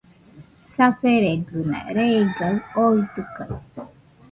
Saferegɨna reigaɨ oitɨkaɨ